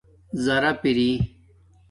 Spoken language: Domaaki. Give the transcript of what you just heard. زراپ اری